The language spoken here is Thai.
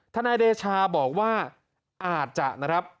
นายเดชาบอกว่าอาจจะนะครับ